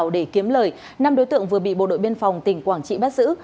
năm đối tượng vừa bị bộ đội biên phòng tỉnh quảng trị bắt giữ